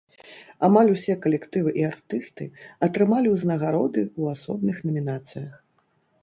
Амаль усе калектывы і артысты атрымалі ўзнагароды ў асобных намінацыях.